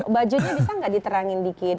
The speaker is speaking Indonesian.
bajunya bisa nggak diterangin dikit